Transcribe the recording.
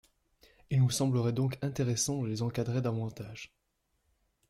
Il nous semblerait donc intéressant de les encadrer davantage.